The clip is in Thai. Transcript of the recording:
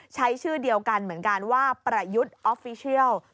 ใช้ชื่อเดียวกันเหมือนกันว่าประยุทธ์ออฟฟิเชียล